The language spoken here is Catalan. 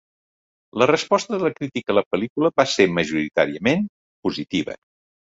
La resposta de la crítica a la pel·lícula va ser majoritàriament positiva.